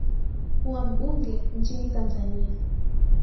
kuwa mbunge nchini tanzania